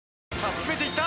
詰めていった！